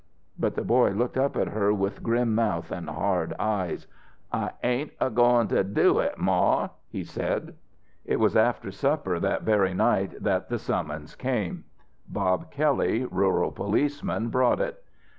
But the boy looked up at her with grim mouth and hard eyes. "I ain't a goin' to do it, Ma!" he said. It was after supper that very night that the summons came. Bob Kelley, rural policeman, brought it.